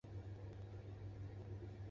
阿尔塔尼昂人口变化图示